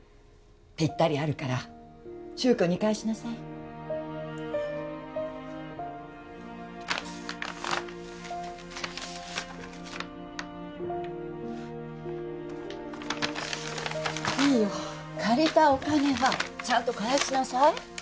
ピッタリあるから柊くんに返しなさいえっいいよ借りたお金はちゃんと返しなさい